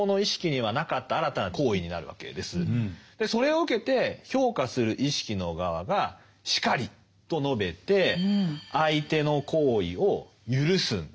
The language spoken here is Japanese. それを受けて評価する意識の側が「然り」と述べて相手の行為を赦すんですね。